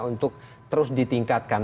untuk terus ditingkatkan